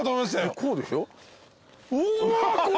こうでしょ？うわ。